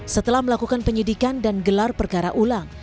setelah melakukan penyidikan dan gelar perkara ulang